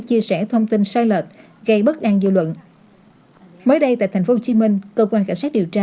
chia sẻ thông tin sai lệch gây bất an dư luận mới đây tại tp hcm cơ quan cảnh sát điều tra